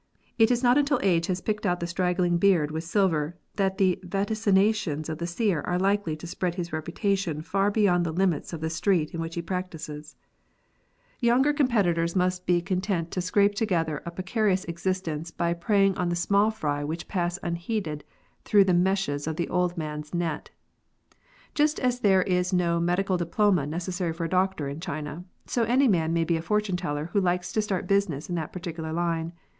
It is not until age has picked out the straggling beard with silver that the vaticinations of the seer are likely to spread his reputation far beyond the limits of the street in which he practises. 70 FORTUNE TELLING. Younger competitors must be content to scrape to gether a precarious existence by preying on the small fry which pass unheeded through the meshes of the old man's net. Just as there is no medical diploma necessary for a doctor in China, so any man may be a fortune teller who likes to start business in that particular line.